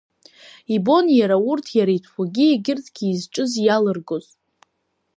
Ибон иара урҭ, иара итәқәагьы егьырҭгьы изҿыз иалыргоз.